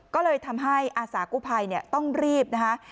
ก็เลยทำให้อาสากู้ภัยต้องรีบนะคะ